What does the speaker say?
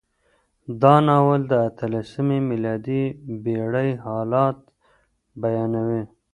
دا ناول د اتلسمې میلادي پېړۍ حالات بیانوي.